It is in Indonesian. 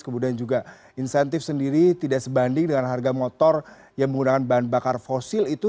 kemudian juga insentif sendiri tidak sebanding dengan harga motor yang menggunakan bahan bakar fosil itu